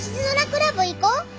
クラブ行こ！